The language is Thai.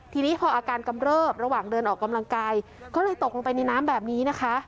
ทีนี้พออาการกำเริบระหว่างเดินออกกำลังกายก็เลยตกลงไปในน้ำแบบนี้นะคะ